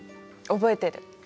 覚えてる。